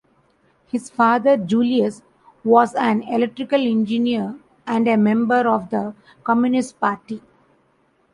His father Julius was an electrical engineer and a member of the Communist Party.